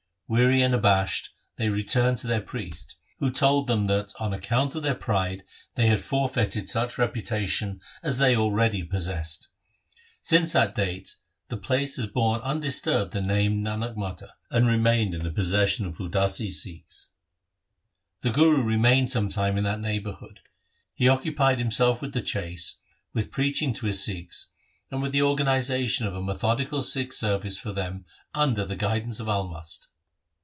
Weary and abashed, they returned to their priest, who told them that, on account of their pride, they had forfeited such reputation as they already possessed. Since that date the place has borne undisturbed the name Nanakmata, and re mained in the possession of Udasi Sikhs. The Guru remained some time in that neighbour hood. He occupied himself with the chase, with preaching to his Sikhs, and with the organization of a methodical Sikh service for them under the guidance of Almast.